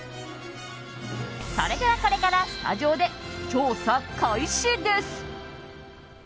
それでは、これからスタジオで調査開始です！